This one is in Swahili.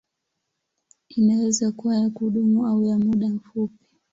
Inaweza kuwa ya kudumu au ya muda mfupi.